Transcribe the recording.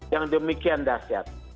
yang demikian dahsyat